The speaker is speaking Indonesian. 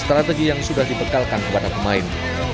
strategi yang sudah dibekalkan kepada pemain